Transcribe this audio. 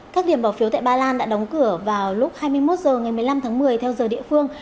các điểm bỏ phiếu tại ba lan đã đóng cửa vào lúc hai mươi một h ngày một mươi năm tháng một mươi theo giờ địa phương